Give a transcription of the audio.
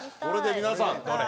これで皆さん。